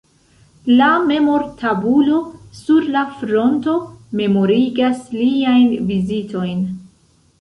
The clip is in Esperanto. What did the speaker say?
La memor-tabulo sur la fronto memorigas liajn vizitojn.